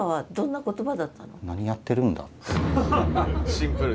シンプル。